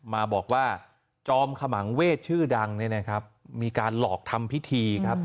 มาบอกว่าจอมขมังเวศชื่อดังเนี่ยนะครับมีการหลอกทำพิธีครับ